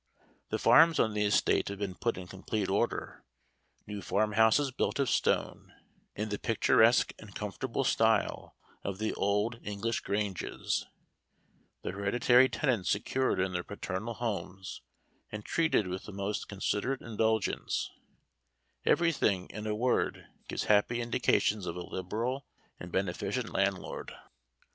The farms on the estate have been put in complete order, new farm houses built of stone, in the picturesque and comfortable style of the old English granges; the hereditary tenants secured in their paternal homes, and treated with the most considerate indulgence; everything, in a word, gives happy indications of a liberal and beneficent landlord.